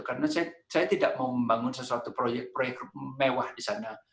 karena saya tidak mau membangun sesuatu proyek mewah di sana